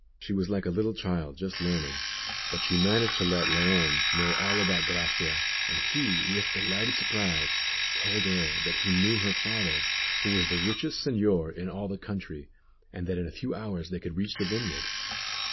She was like a little child just learning, but she managed to let Leon know all about Gracia, and he, with delighted surprise, told her that he knew her father, who was the richest señor in all the country, and that in a few hours they could reach the vineyard.